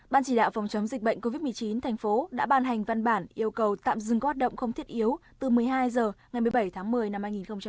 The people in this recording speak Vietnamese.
ban chỉ đạo phòng chống dịch bệnh covid một mươi chín thành phố đã ban hành văn bản yêu cầu tạm dừng các hoạt động không thiết yếu từ một mươi hai h ngày một mươi bảy tháng một mươi năm hai nghìn hai mươi